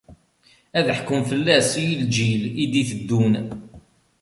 Ad ḥkun fell-as i lǧil i d-itteddun.